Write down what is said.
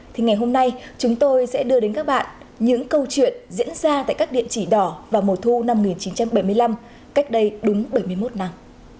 thì ngày hôm nay chúng tôi sẽ đưa đến các bạn những câu chuyện diễn ra tại các địa chỉ đỏ vào mùa thu năm một nghìn chín trăm bảy mươi năm cách đây đúng bảy mươi một năm